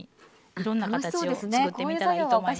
いろんな形をつくってみたらいいと思います。